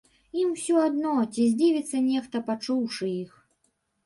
Ім усё адно, ці здзівіцца нехта, пачуўшы іх.